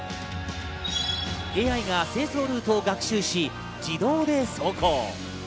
ＡＩが清掃ルートを学習し、自動で走行。